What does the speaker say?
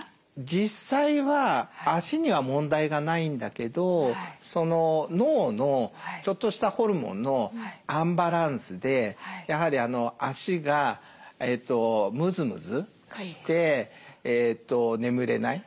実際は脚には問題がないんだけど脳のちょっとしたホルモンのアンバランスでやはり脚がむずむずして眠れない。